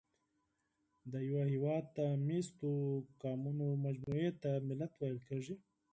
د یوه هېواد د مېشتو قومونو مجموعې ته ملت ویل کېږي.